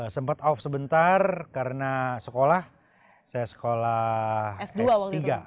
sempat off sebentar karena sekolah saya sekolah s tiga